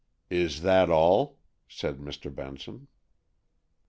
"Is that all?" said Mr. Benson.